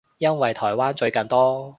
因為台灣最近多